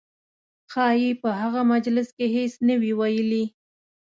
ښایي په هغه مجلس کې هېڅ نه وي ویلي.